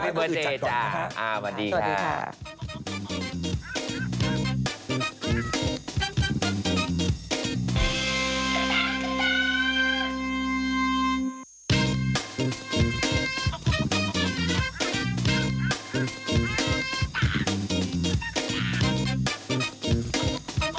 มีบีบอนดีจัดก่อนนะคะสวัสดีค่ะ